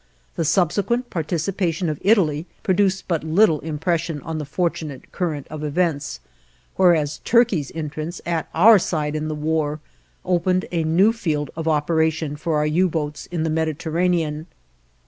The subsequent participation of Italy produced but little impression on the fortunate current of events, whereas Turkey's entrance at our side in the war, opened a new field of operation for our U boats in the Mediterranean.